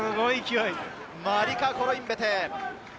マリカ・コロインベテ。